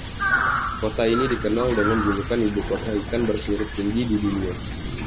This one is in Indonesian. Kota ini dikenal dengan julukan "Ibu kota Ikan Bersirip Tinggi di Dunia".